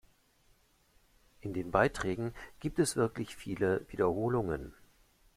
In den Beiträgen gibt es wirklich viele Wiederholungen.